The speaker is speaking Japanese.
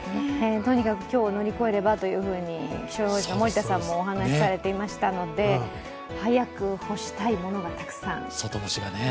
とにかく今日を乗り越えればと気象予報士の森田さんもお話されていましたので早く干したいものがたくさん。